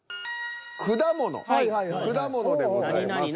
「果物」でございます。